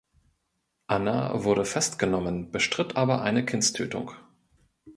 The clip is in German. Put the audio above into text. Anna wurde festgenommen, bestritt aber eine Kindstötung.